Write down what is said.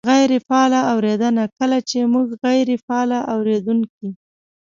-غیرې فعاله اورېدنه : کله چې مونږ غیرې فعال اورېدونکي